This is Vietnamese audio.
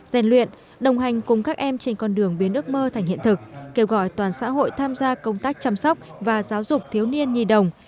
gian luyện đồng hành cùng các em trên con đường biến ước mơ thành hiện thực kêu gọi toàn xã hội tham gia công tác chăm sóc và giáo dục thiếu niên nhi đồng